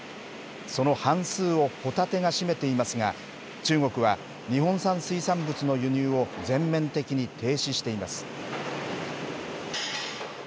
その半数をホタテが占めていますが、中国は日本産水産物の輸入を全面的に停止しています。